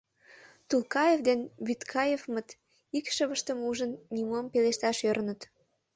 Тулкаев ден Вӱдкаевмыт, икшывыштым ужын, нимом пелешташ ӧрыныт.